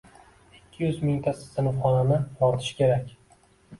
Ikki yuz mingta sinfxonani yoritish kerak.